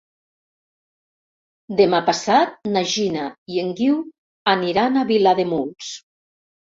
Demà passat na Gina i en Guiu aniran a Vilademuls.